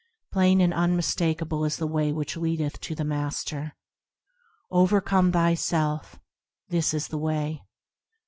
Plain and unmistakable is the way which leadeth to the Master,– Overcome thyself, this is the Way.